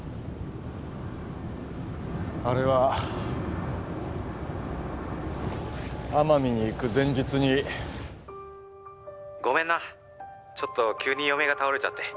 あれは奄美に行く前日に☎ごめんなちょっと急に嫁が倒れちゃって